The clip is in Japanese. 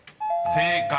［正解！